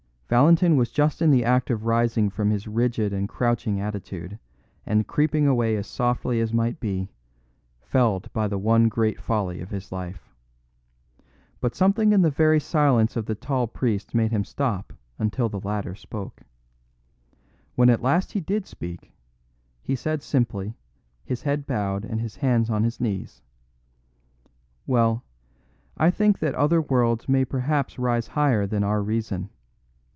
'" Valentin was just in the act of rising from his rigid and crouching attitude and creeping away as softly as might be, felled by the one great folly of his life. But something in the very silence of the tall priest made him stop until the latter spoke. When at last he did speak, he said simply, his head bowed and his hands on his knees: "Well, I think that other worlds may perhaps rise higher than our reason.